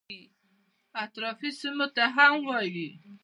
اطرافي سیمو ته هم وایي.